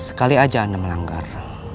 sekali saja anda melanggar